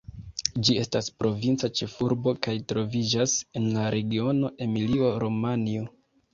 Ĝi estas provinca ĉefurbo kaj troviĝas en la regiono Emilio-Romanjo.